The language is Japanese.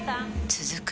続く